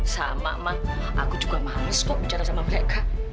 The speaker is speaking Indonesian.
sama ma aku juga males kok bicara sama mereka